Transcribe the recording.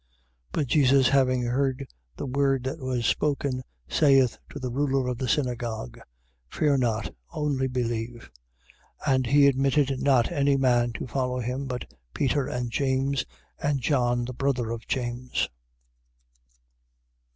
5:36. But Jesus having heard the word that was spoken, saith to the ruler of the synagogue: Fear not, only believe. 5:37. And he admitted not any man to follow him, but Peter, and James, and John the brother of James.